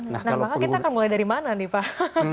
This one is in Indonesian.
nah maka kita akan mulai dari mana nih pak